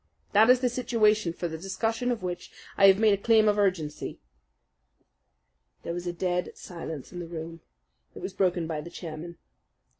That is the situation for the discussion of which I have made a claim of urgency." There was a dead silence in the room. It was broken by the chairman.